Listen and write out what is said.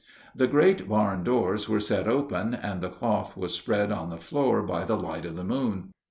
The great barn doors were set open, and the cloth was spread on the floor by the light of the moon.